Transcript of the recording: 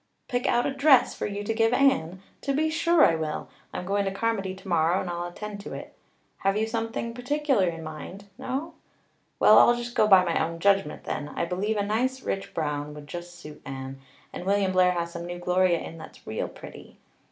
"Pick out a dress for you to give Anne? To be sure I will. I'm going to Carmody tomorrow and I'll attend to it. Have you something particular in mind? No? Well, I'll just go by my own judgment then. I believe a nice rich brown would just suit Anne, and William Blair has some new gloria in that's real pretty.